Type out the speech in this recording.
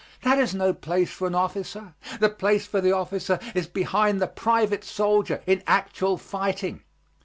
That is no place for an officer. The place for the officer is behind the private soldier in actual fighting.